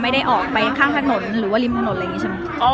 ไม่ได้ออกไปข้างถนนหรือว่าริมถนนอะไรอย่างนี้ใช่ไหม